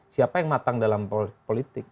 siapa yang matang dalam politik